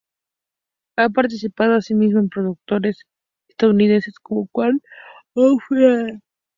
Ha participado asimismo en producciones estadounidenses como "Quantum of Solace", "Marie Antoinette" o "Múnich".